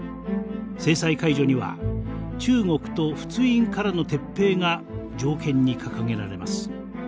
制裁解除には中国と仏印からの撤兵が条件に掲げられます。